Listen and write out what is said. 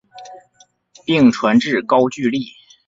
并传至高句丽。